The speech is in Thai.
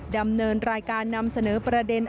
ดำเนินรายการนำเสนอประเด็น